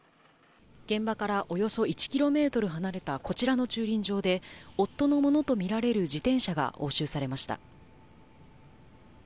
現場からおよそ１キロメートル離れたこちらの駐輪場で、夫のものと見られる自転車が押収されました。